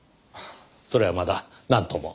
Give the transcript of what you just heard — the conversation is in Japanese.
それはまだなんとも。